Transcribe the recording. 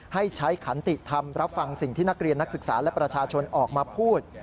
ให้ใช้ขันติธรรมรับฟังสิ่งที่นักเรียนนักศึกษาและประชาชนออกมาพูด